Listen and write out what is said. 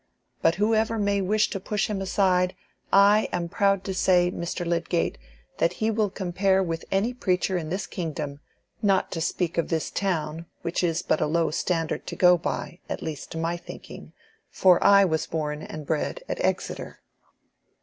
But whoever may wish to push him aside, I am proud to say, Mr. Lydgate, that he will compare with any preacher in this kingdom, not to speak of this town, which is but a low standard to go by; at least, to my thinking, for I was born and bred at Exeter."